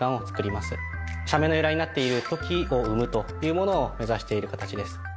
社名の由来になっている「時」を「生む」というものを目指している形です。